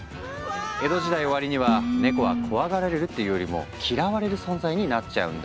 江戸時代終わりにはネコは怖がられるっていうよりも嫌われる存在になっちゃうんだ。